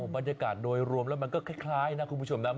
บรรยากาศโดยรวมแล้วมันก็คล้ายนะคุณผู้ชมนะ